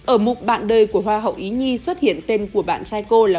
ở mục bạn đời của hoa hậu ý nhi nhi xuất hiện tên của bạn trai cô là